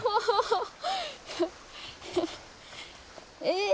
え。